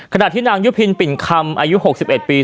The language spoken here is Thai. ขณะที่นางยุพินปิ่นคำอายุ๖๑ปี